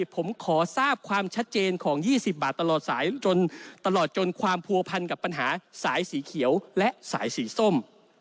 ผมขอทราบความชัดเจนของ๒๐บาทตลอดสายจนตลอดจนความผัวพันกับปัญหาสายสีเขียวและสายสีส้ม